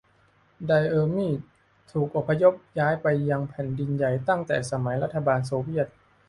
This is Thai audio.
ไดออมีด ถูกอพยพย้ายไปยังแผ่นดินใหญ่ตั้งแต่สมัยรัฐบาลโซเวียต